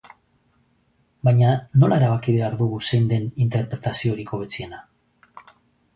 Baina, nola erabaki behar dugu zein den interpretaziorik hobetsiena?